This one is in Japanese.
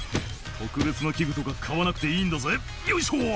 「特別な器具とか買わなくていいんだぜよいしょ！」